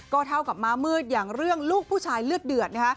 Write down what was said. เท่ากับม้ามืดอย่างเรื่องลูกผู้ชายเลือดเดือด